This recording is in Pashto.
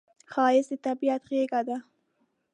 ښایست د طبیعت غېږه ده